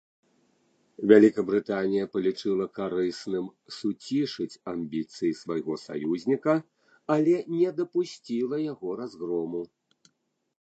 Вялікабрытанія палічыла карысным суцішыць амбіцыі свайго саюзніка, але не дапусціла яго разгрому.